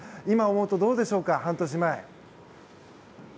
今思うと、どうでしょうか半年前。